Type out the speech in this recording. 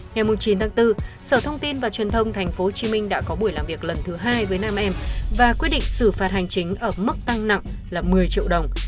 ngày chín tháng bốn sở thông tin và truyền thông tp hcm đã có buổi làm việc lần thứ hai với nam em và quyết định xử phạt hành chính ở mức tăng nặng là một mươi triệu đồng